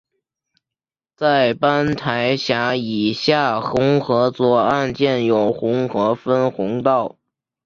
在班台闸以下洪河左岸建有洪河分洪道。